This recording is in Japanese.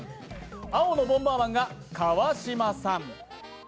青のボンバーマンが川島さん。